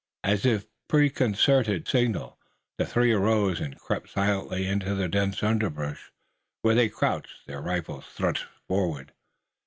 As if by preconcerted signal the three arose and crept silently into the dense underbrush, where they crouched, their rifles thrust forward.